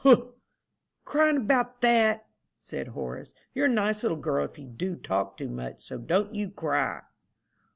"Poh! crying about that?" said Horace; "you're a nice little girl if you do talk too much, so don't you cry."